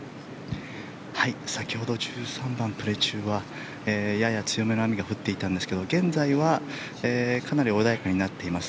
先ほど１３番プレー中はやや強めの雨が降っていたんですが現在はかなり穏やかになっています。